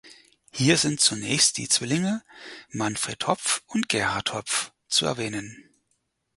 Hier sind zunächst die Zwillinge Manfred Hopf und Gerhard Hopf zu erwähnen.